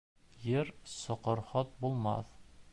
Ер соҡорһоҙ булмаҫ.